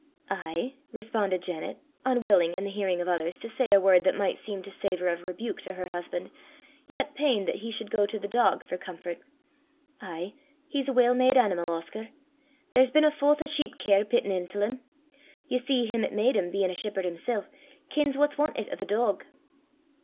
"Ay," responded Janet, unwilling, in the hearing of others, to say a word that might seem to savour of rebuke to her husband, yet pained that he should go to the dog for comfort "Ay; he's a well made animal, Oscar! There's been a fowth o' sheep care pitten intil 'im. Ye see him 'at made 'im, bein' a shepherd himsel', kens what's wantit o' the dog."